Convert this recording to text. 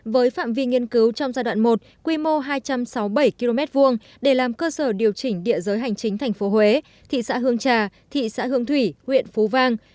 với phạm vi nghiên cứu trong giai đoạn một quy mô hai trăm sáu mươi bảy km hai để làm cơ sở điều chỉnh địa giới hành chính thành phố huế thị xã hương trà thị xã hương thủy huyện phú vang